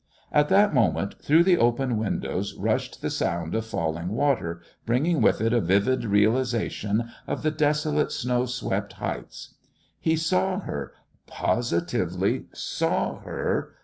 At that moment, through the open windows, rushed the sound of falling water, bringing with it a vivid realisation of the desolate, snow swept heights. He saw her positively saw her!